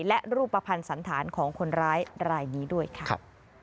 และรูปภัณฑ์สันธารของคนร้ายรายนี้ด้วยค่ะ